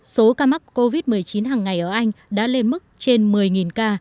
số ca mắc covid một mươi chín hằng ngày ở anh đã lên mức trên một mươi ca